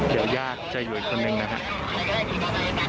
เดี๋ยวญาติจะอยู่อีกคนนึงนะครับ